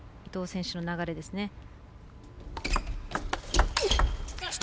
伊藤選手の流れですね。